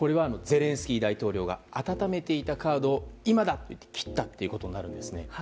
ゼレンスキー大統領が温めていたカードを今だと切ったということになるんです。